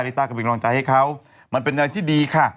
ต้าก็เป็นกำลังใจให้เขามันเป็นอะไรที่ดีค่ะ